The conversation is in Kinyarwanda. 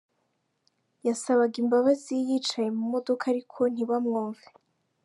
Yabasabaga imbabazi yicaye mu modoka ariko ntibamwumve.